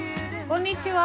こんにちは。